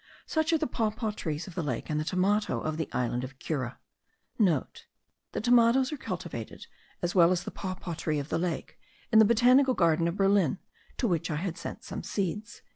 Such are the papaw trees of the lake; and the tomato* of the island of Cura. (* The tomatoes are cultivated, as well as the papaw tree of the lake, in the Botanical Garden of Berlin, to which I had sent some seeds.)